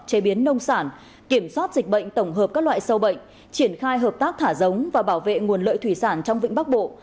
chế biến nông sản kiểm soát dịch bệnh tổng hợp các loại sâu bệnh triển khai hợp tác thả giống và bảo vệ nguồn lợi thủy sản trong vĩnh bắc bộ